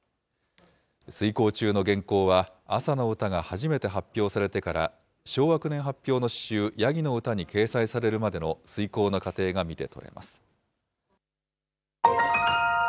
推こう中の原稿は朝の歌が初めて発表されてから昭和９年発表の詩集、山羊の歌に掲載されるまでの推こうの過程が見て取れます。